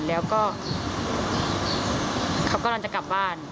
แล้วก็เขากำลังจะกลับบ้าน